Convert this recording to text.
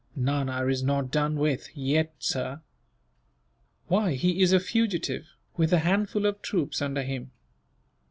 "Nana is not done with, yet, sir." "Why, he is a fugitive, with a handful of troops under him."